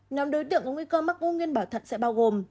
nhóm đối tượng có nguy cơ mắc u nguyên bảo thận sẽ bao gồm